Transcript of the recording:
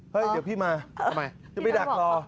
เดี๋ยวพี่มาจะไปดักรอ